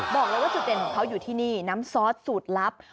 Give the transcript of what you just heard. บอกเลยว่าจุดเด่นของเขาอยู่ที่นี่น้ำซอสสูตรลับ